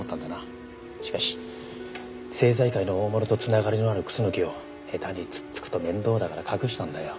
しかし政財界の大物と繋がりのある楠木を下手に突っつくと面倒だから隠したんだよ。